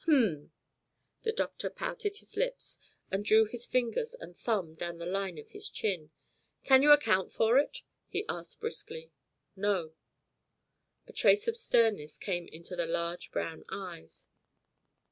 "Hum." The doctor pouted his lips, and drew his finger and thumb down the line of his chin. "Can you account for it?" he asked briskly. "No." A trace of sternness came into the large brown eyes.